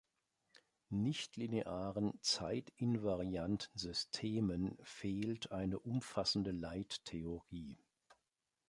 Nichtlinearen zeitinvarianten Systemen fehlt eine umfassende Leittheorie.